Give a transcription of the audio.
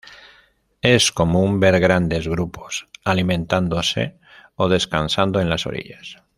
Es común ver grandes grupos alimentándose o descansando en las orillas.